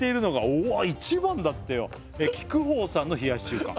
お一番だってよ「菊凰さんの冷やし中華」